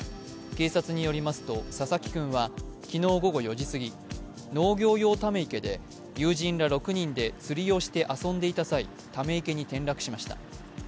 警察によりますと、佐々木君は昨日午後４時過ぎ、農業用ため池で友人ら６人で釣りをして遊んでいた際、ため池に転落しました。